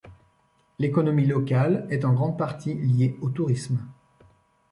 L'économie locale est en grande partie liée au tourisme.